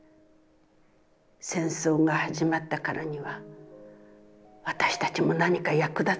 戦争が始まったからには、私たちも何か役立つべきだった。